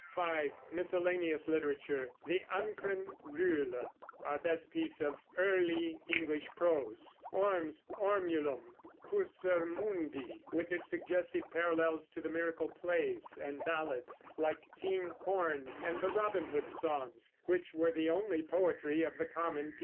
(5) Miscellaneous literature, the Ancren Riwle, our best piece of early English prose; Orm's Ormulum; Cursor Mundi, with its suggestive parallel to the Miracle plays; and ballads, like King Horn and the Robin Hood songs, which were the only poetry of the common people.